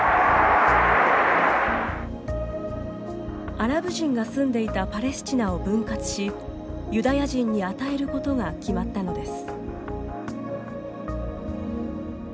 アラブ人が住んでいたパレスチナを分割しユダヤ人に与えることが決まったのです。